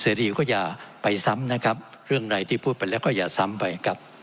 ดีก็อย่าไปซ้ำนะครับเรื่องใดที่พูดไปแล้วก็อย่าซ้ำไปครับ